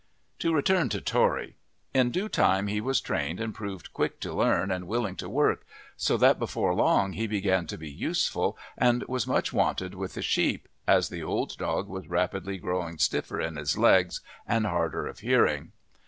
To return to Tory. In due time he was trained and proved quick to learn and willing to work, so that before long he began to be useful and was much wanted with the sheep, as the old dog was rapidly growing stiffer on his legs and harder of hearing.